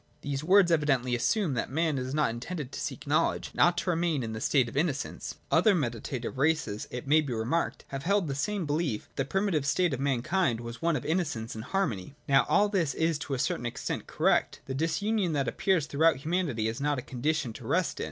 These words evidently assume that man is not intended to seek knowledge, and ought to remain in the state of innocence. Other medita tive races, it may be remarked, have held the same belief that the primitive state of mankind was one of innocence and harmony. Now all this is to a certain extent correct. The disunion that appears throughout humanity is not a condition to rest in.